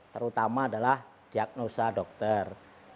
terutama adalah diagnosa dokter